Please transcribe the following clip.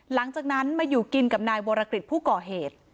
หลังจากนั้นมาอยู่กินกับนายวรกฤษผู้ก่อเหตุ